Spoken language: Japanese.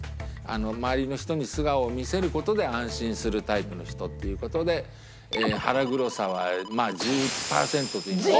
周りの人に素顔を見せる事で安心するタイプの人っていう事で腹黒さはまあ１０パーセントといいますか。